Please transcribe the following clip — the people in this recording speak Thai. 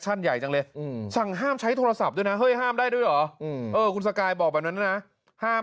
ทำให้ส่งและทำให้ถือว่าทำห้ามไฟซับน่ะ